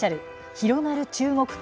「広がる“中国化”